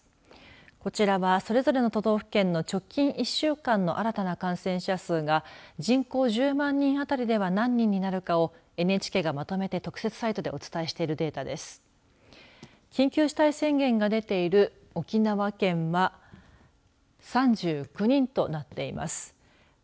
こちらは、それぞれの都道府県の直近１週間の新たな感染者数が人口１０万人あたりでは何人になるかをＮＨＫがまとめて特設サイトでお伝えしているデータです。